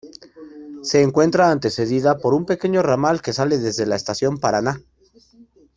Se encuentra antecedida por un pequeño ramal que sale desde la Estación Paraná.